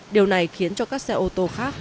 điều này khiến cho các xe ô tô khác